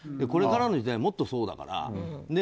これからの時代はもっとそうだから。